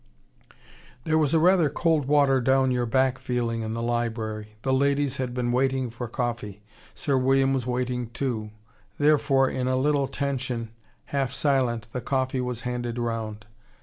There was a rather cold water down your back feeling in the library. The ladies had been waiting for coffee. Sir William was waiting, too. Therefore in a little tension, half silent, the coffee was handed round.